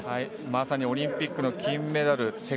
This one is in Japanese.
まさにオリンピックの金メダル